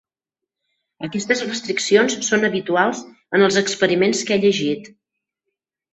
Aquestes restriccions són habituals en els experiments que he llegit.